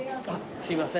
すいません。